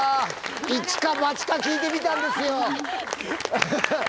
一か八か聞いてみたんですよ。